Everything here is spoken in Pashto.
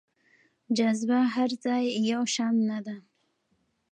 جاذبه هر ځای يو شان نه ده.